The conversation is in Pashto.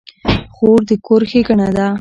خور د کور ښېګڼه ده.